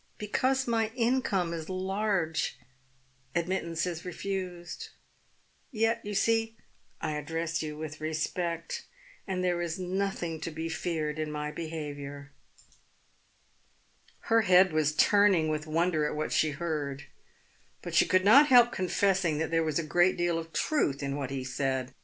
Because my income is large, admittance is refused. Yet you see I address you with respect, and there is nothing to be feared in my be haviour." Her head was turning with wonder at what she heard, but she could not help confessing that there was a great deal of truth in what he said.